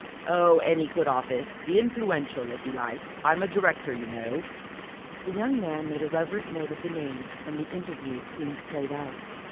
"Oh, any good office the Influential, if you like. I'm a director, you know." The young man made a reverent note of the name, and the interview seemed played out.